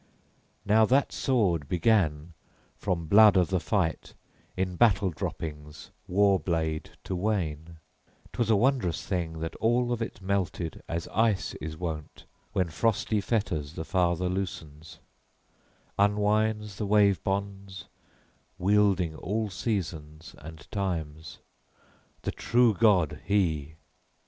Now that sword began, from blood of the fight, in battle droppings, {23c} war blade, to wane: 'twas a wondrous thing that all of it melted as ice is wont when frosty fetters the Father loosens, unwinds the wave bonds, wielding all seasons and times: the true God he!